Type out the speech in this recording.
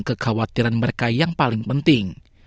kekhawatiran mereka yang paling penting